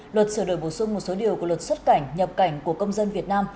luật sửa đổi bổ sung một số điều của luật xuất cảnh nhập cảnh của công dân việt nam